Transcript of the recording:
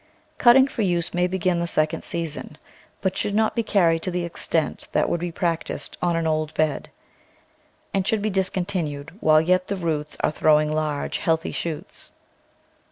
Cutting for use may begin the second season, but should not be carried to the extent that would be practised on an old bed, and should be discon tinued while yet the roots are throwing large, healthy shoots.